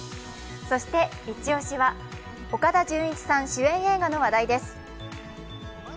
そしてイチ押しは、岡田准一さん主演映画の話題です。